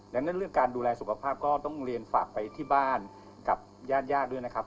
ดังนั้นเรื่องการดูแลสุขภาพก็ต้องเรียนฝากไปที่บ้านกับญาติญาติด้วยนะครับ